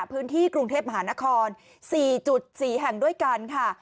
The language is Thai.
พื้นที่กรุงเทพมหานคร๔๔แห่งด้วยกันค่ะ